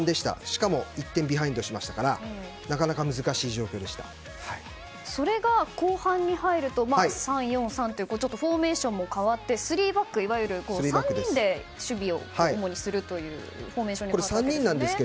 しかも１点ビハインドしましたからそれが後半に入ると３ー４ー３というフォーメーションも変わって３バックいわゆる３人で守備を主にするというフォーメーションに変わったんですね。